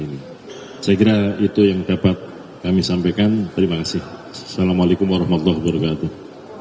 saya kira itu yang dapat kami sampaikan terima kasih assalamualaikum warahmatullahi wabarakatuh